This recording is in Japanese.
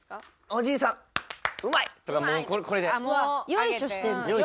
よいしょしてます。